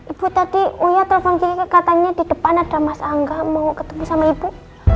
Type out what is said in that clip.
ibu tadi uya telepon katanya di depan ada mas angga mau ketemu sama ibu